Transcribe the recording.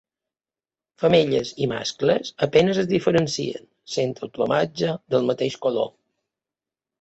Femelles i mascles a penes es diferencien, sent el plomatge del mateix color.